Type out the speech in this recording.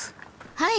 はい！